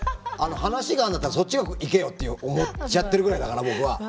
話があるんだったらそっちが行けよって思っちゃってるぐらいだから僕は。